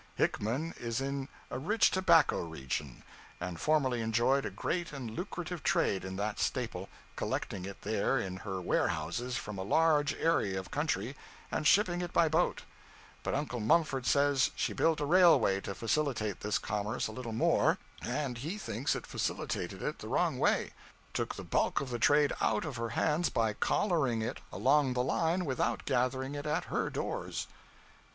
Hickman is in a rich tobacco region, and formerly enjoyed a great and lucrative trade in that staple, collecting it there in her warehouses from a large area of country and shipping it by boat; but Uncle Mumford says she built a railway to facilitate this commerce a little more, and he thinks it facilitated it the wrong way took the bulk of the trade out of her hands by 'collaring it along the line without gathering it at her doors.'